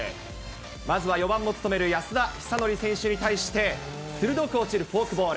まずは４番を務める安田尚憲選手に対して、鋭く落ちるフォークボール。